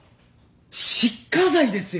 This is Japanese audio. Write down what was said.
失火罪ですよ！